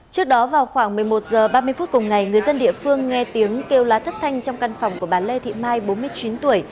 trước đó vào khoảng một mươi một h ba mươi phút cùng ngày người dân địa phương nghe tiếng kêu lá thất thanh trong căn phòng của bà lê thị mai bốn mươi chín tuổi